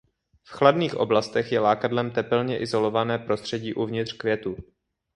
V chladných oblastech je lákadlem tepelně izolované prostředí uvnitř květu.